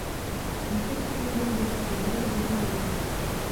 Nestačí pouze podepsat dohody o rybolovu.